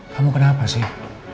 kamu kenapa sih